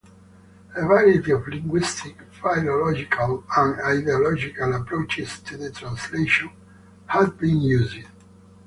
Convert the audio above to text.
A variety of linguistic, philological and ideological approaches to translation have been used.